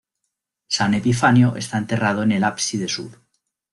San Epifanio está enterrado en ábside sur.